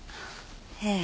ええ。